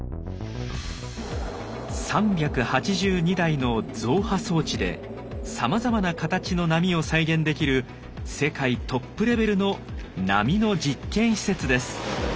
３８２台の造波装置でさまざまな形の波を再現できる世界トップレベルの波の実験施設です。